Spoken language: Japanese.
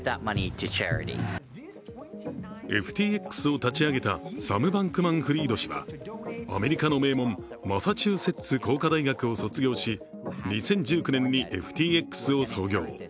ＦＴＸを立ち上げたサム・バンクマン＝フリード氏はアメリカの名門、マサチューセッツ工科大学を卒業し２００９年にＦＴＸを創業。